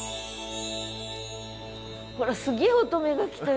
ほらすげえ乙女が来たよ